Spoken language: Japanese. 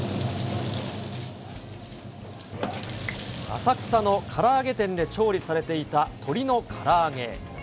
浅草のから揚げ店で調理されていた鶏のから揚げ。